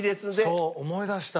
そう思い出した。